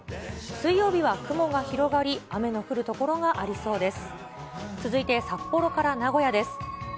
水曜日は雲が広がり、雨の降る所がありそうです。